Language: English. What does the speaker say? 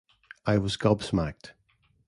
I was gobsmacked.